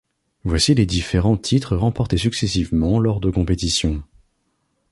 Voici les différents titres remportés successivement lors de compétitions.